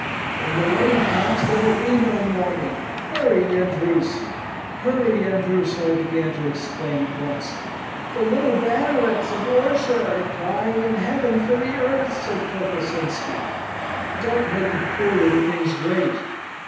"When the wedding comes, there will be no mourning. Hurry, Yendrus!" "Hurry, Yendrus!" all began to exclaim at once. "The little bannerets of Orsha are crying in heaven for the earth," said Kokosinski. "Don't make the poor little things wait!"